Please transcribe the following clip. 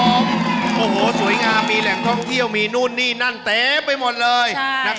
โอ้โหสวยงามมีแหล่งท่องเที่ยวมีนู่นนี่นั่นเต็มไปหมดเลย